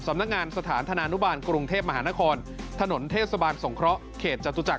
สำนักงานสถานธนานุบาลกรุงเทพมหานครถนนเทศบาลสงเคราะห์เขตจตุจักร